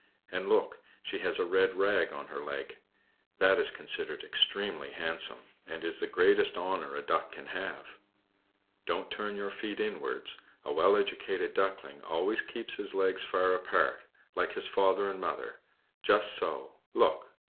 And look, she has a red rag on her leg! That is considered extremely handsome, and is the greatest honor a Duck can have. Don't turn your feet inwards; a well educated Duckling always keeps his legs far apart, like his father and mother, just so look!